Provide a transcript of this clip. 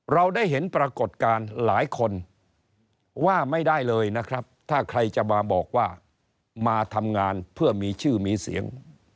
เราได้เห็นปรากฏการณ์หลายคนว่าไม่ได้เลยนะครับถ้าใครจะมาบอกว่ามาทำงานเพื่อมีชื่อมีเสียง